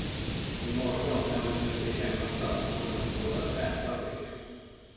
I morgon, när hon känner sig hemmastadd, kommer hon både att äta och leka.